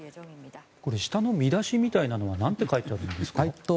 下の見出しみたいなのはなんて書いてあるんですか？